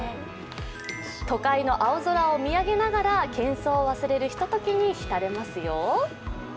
都会の青空を見上げながら喧騒を忘れるひとときにひたれますよ。